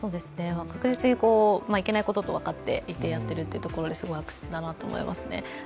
確実にいけないことと分かっていて、やっているということはすごい悪質だなと思いますね。